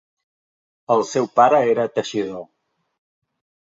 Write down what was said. El seu pare era teixidor.